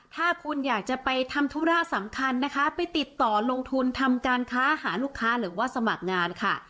ถ้าคุณอยากจะไปทำธุระสำคัญนะคะไปติดต่อลงทุนทำการค้าหาลูกค้าหรือว่าสมัครงานค่ะ